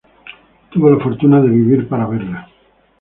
Tuvo la fortuna de vivir para verla.